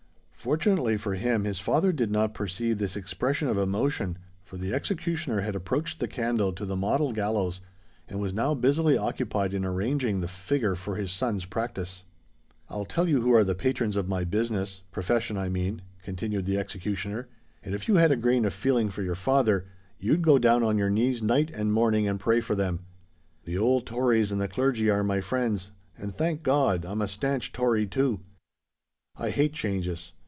Fortunately for him, his father did not perceive this expression of emotion, for the executioner had approached the candle to the model gallows, and was now busily occupied in arranging the figure for his son's practice. "I'll tell you who are the patrons of my business—profession, I mean," continued the executioner; "and if you had a grain of feeling for your father, you'd go down on your knees night and morning and pray for them. The old Tories and the Clergy are my friends; and, thank God! I'm a stanch Tory, too. I hate changes.